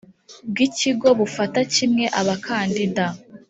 Bw ikigo bufata kimwe abakandida